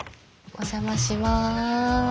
お邪魔します。